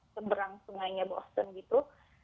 seberang sungainya boston gitu